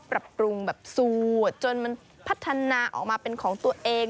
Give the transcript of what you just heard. ปรับปรุงแบบสูตรจนมันพัฒนาออกมาเป็นของตัวเอง